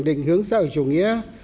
định hướng xã hội chủ nghĩa